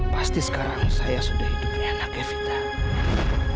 pasti sekarang saya sudah hidupnya anak epitamu